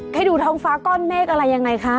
ให้ดูท้องฟ้าก้อนเมฆอะไรยังไงคะ